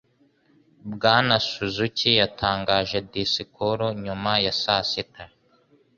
Bwana Suzuki yatangaga disikuru nyuma ya saa sita.